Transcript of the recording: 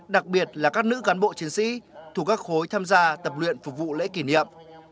đặc biệt là các nữ cán bộ chiến sĩ thuộc các khối tham gia tập luyện phục vụ lễ kỷ niệm